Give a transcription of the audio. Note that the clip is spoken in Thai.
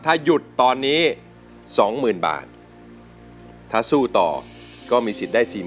ถ้าหยุดตอนนี้๒๐๐๐บาทถ้าสู้ต่อก็มีสิทธิ์ได้๔๐๐